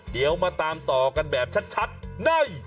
เดี๋ยวมาตามต่อกันแบบชัดใน